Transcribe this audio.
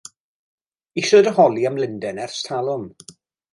Isio dy holi am Lundain ers talwm!